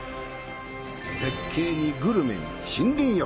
絶景にグルメに森林浴。